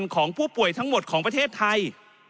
ของผู้ป่วยทั้งหมดของประเทศไทย